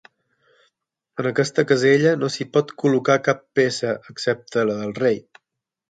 En aquesta casella no s'hi pot col·locar cap peça, excepte la del rei.